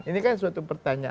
ini kan suatu pertanyaan